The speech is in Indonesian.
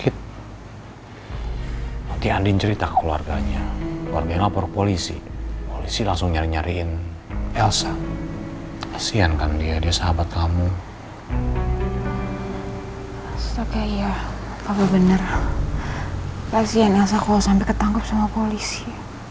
terima kasih ya nasa kalau sampai ketangkep sama polisi